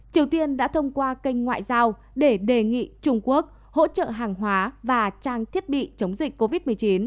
triều tiên đã thông qua kênh ngoại giao để đề nghị trung quốc hỗ trợ hàng hóa và trang thiết bị chống dịch covid một mươi chín